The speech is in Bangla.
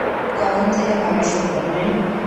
কখন থেকে ভাবা শুরু করলে?